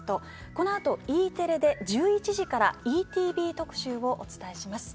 このあとＥテレで１１時から「ＥＴＶ特集」をお伝えします。